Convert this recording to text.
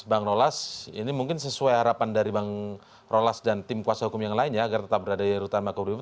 bang rolas ini mungkin sesuai harapan dari bang rolas dan tim kuasa hukum yang lain ya agar tetap berada di rutan makobrimob